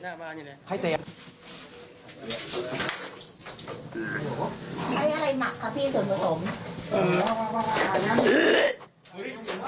อะไรหมักครับพี่ส่วนผสม